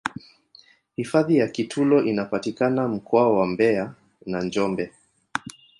hifadhi ya kitulo inapatikana mkoa wa mbeya na njombe